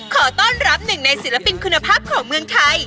ขอต้อนรับหนึ่งในศิลปินคุณภาพของเมืองไทย